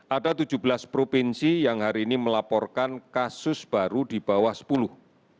ada tujuh belas provinsi yang hari ini melaporkan kasus baru di bawah sepuluh